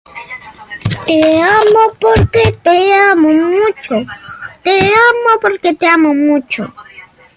Pero posteriormente se anunció su nombramiento al frente del Gabinete de Seguridad Institucional.